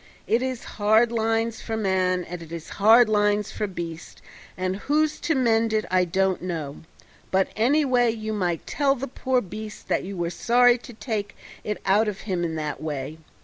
It is hard lines for man and it is hard lines for beast, and who's to mend it I don't know: but anyway you might tell the poor beast that you were sorry to take it out of him in that way.